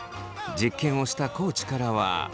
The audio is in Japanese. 実験をした地からは。